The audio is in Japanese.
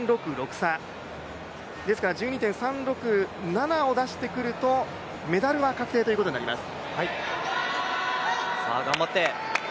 差１２．３６７を出してくると、メダルは確定ということになります。